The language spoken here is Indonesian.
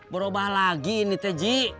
berubah lagi ini teji